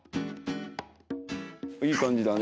いい感じだね。